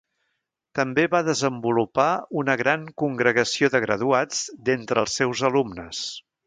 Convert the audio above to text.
També va desenvolupar una gran congregació de graduats d'entre els seus alumnes.